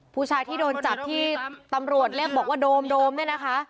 ผู้ชายที่โดนจับที่ตำรวจเรียกบอกว่าโดมเนี่ยนะคะ